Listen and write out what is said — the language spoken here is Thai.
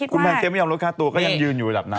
คุณแพนเค้กไม่ยอมลดค่าตัวก็ยังยืนอยู่ระดับนั้น